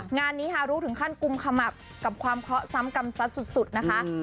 งานนี้ฮารุถึงขั้นกุมขมับกับความเคาะซ้ำกรรมซัดสุดนะคะ